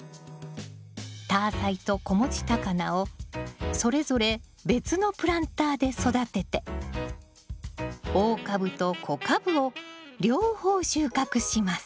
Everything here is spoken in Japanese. タアサイと子持ちタカナをそれぞれ別のプランターで育てて大株と小株を両方収穫します。